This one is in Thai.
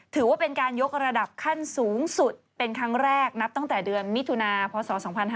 ถือว่าเป็นการยกระดับขั้นสูงสุดเป็นครั้งแรกนับตั้งแต่เดือนมิถุนาพศ๒๕๕๙